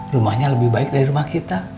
rumahnya lebih baik dari rumah kita